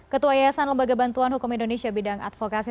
ketua yayasan lembaga bantuan hukum indonesia bidang advokasi